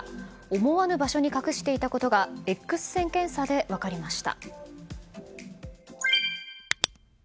思わぬ場所に隠していたことがＸ線検査で分かりました。